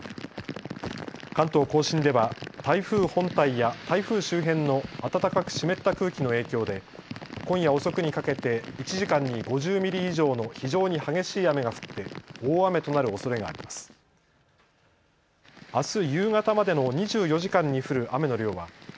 関東甲信では台風本体や台風周辺の暖かく湿った空気の影響で今夜遅くにかけて１時間に５０ミリ以上の非常に激しい雨が降って大雨となるおそれがあります。